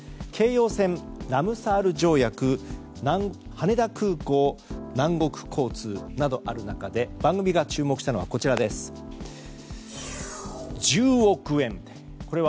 京葉線、ラムサール条約羽田空港、南国交通などある中で番組が注目したのは１０億円です。